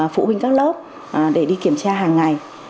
phụ huynh các lớp để đi kiểm tra hàng ngày